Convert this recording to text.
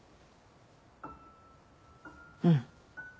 うん。